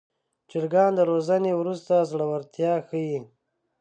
چرګان د روزنې وروسته زړورتیا ښيي.